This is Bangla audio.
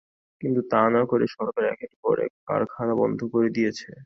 কিন্তু তা না করে সরকার একের পর এক কারখানা বন্ধ করে দিয়েছে।